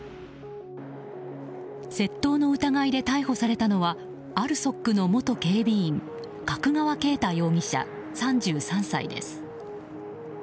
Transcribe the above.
窃盗の疑いで逮捕されたのはＡＬＳＯＫの元警備員角川恵太容疑者、３３歳です。